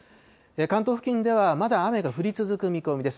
関東付近ではまだ雨が降り続く見込みです。